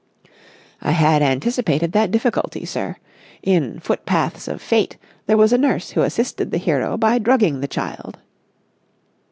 "I had anticipated that difficulty, sir. In 'Footpaths of Fate' there was a nurse who assisted the hero by drugging the child."